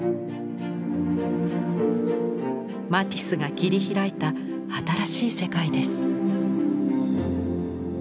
マティスが切り開いた新しい世界です。